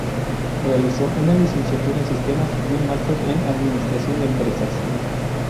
Realizó una licenciatura en Sistemas y un máster en Administración de Empresas.